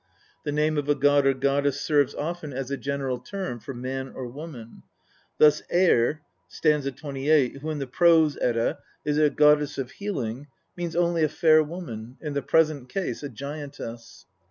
The name of a god or goddess serves often as a general term for man or woman ; thus Eir (st. 28), who in the Prose Edda is a goddess of healing, means only a fair woman, in the present case a giantess.